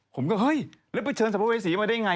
ผมก็เฮ้ยแล้วไปเชิญสัมภเวษีมาได้ไง